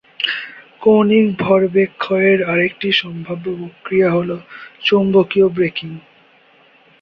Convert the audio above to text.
কৌণিক ভরবেগ ক্ষয়ের আরেকটি সম্ভাব্য প্রক্রিয়া হল চৌম্বকীয় ব্রেকিং।